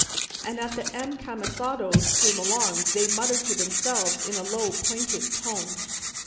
And as the encamisados came along they muttered to themselves in a low plaintive tone.